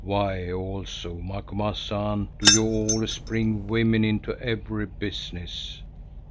Why also, Macumazahn, do you always bring women into every business?